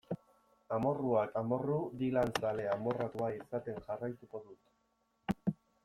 Amorruak amorru, Dylan zale amorratua izaten jarraituko dut.